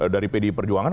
dari pdi perjuangan